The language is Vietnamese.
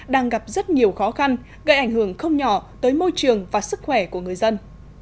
đang gặp rất nhiều khó khăn gây ảnh hưởng không nhỏ tới môi trường và sức khỏe của người dân